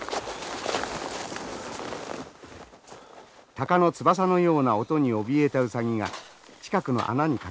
タカの翼のような音におびえたウサギが近くの穴に隠れます。